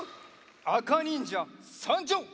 あかにんじゃさんじょう！